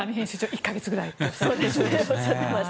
１か月ぐらいとおっしゃってました。